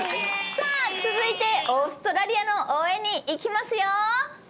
続いて、オーストラリアの応援にいきますよ。